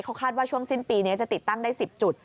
เขาคาดว่าช่วงสิ้นปีนี้จะติดตั้งได้๑๐จุด